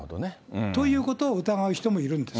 ということを疑う人もいるんです。